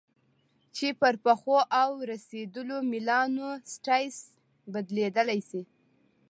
چې پر پخو او رسېدلو میلانوسایټس بدلې شي.